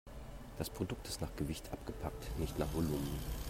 Das Produkt ist nach Gewicht abgepackt, nicht nach Volumen.